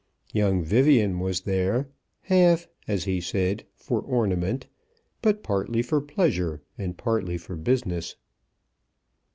Young Vivian was there, half, as he said, for ornament, but partly for pleasure and partly for business.